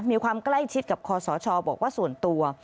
มีความใกล้ชิดกับคอสชบอกว่าส่วนตัว